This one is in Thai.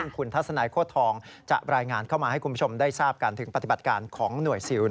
คุณทัศนายโคตรทองจะรายงานเข้ามาให้คุณผู้ชมได้ทราบกันถึงปฏิบัติการของหน่วยซิล